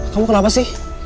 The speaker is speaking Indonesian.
kamu kenapa sih